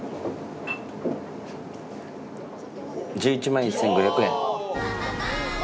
１１万１，５００円。